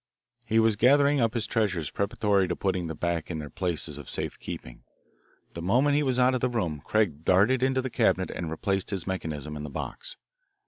He was gathering up his treasures preparatory to putting them back in their places of safekeeping. The moment he was out of the room Craig darted into the cabinet and replaced his mechanism in the box.